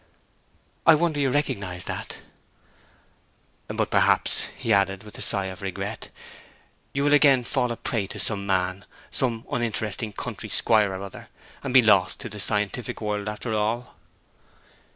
'I wonder you recognize that.' 'But perhaps,' he added, with a sigh of regret, 'you will again fall a prey to some man, some uninteresting country squire or other, and be lost to the scientific world after all.'